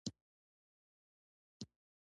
چینایي متل وایي د باران شور نړیواله ژبه ده.